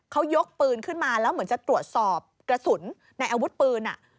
เขายกปืนขึ้นมาแล้วเหมือนจะตรวจสอบกระสุนในอาวุธปืน